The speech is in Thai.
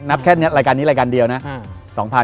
แค่นี้รายการนี้รายการเดียวนะ